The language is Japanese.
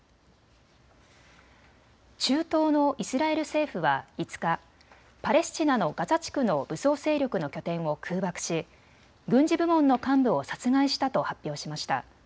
中東のイスラエル政府は５日、パレスチナのガザ地区の武装勢力の拠点を空爆し軍事部門の幹部を殺害したと発表しました。